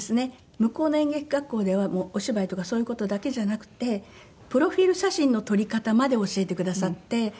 向こうの演劇学校ではお芝居とかそういう事だけじゃなくてプロフィル写真の撮り方まで教えてくださって。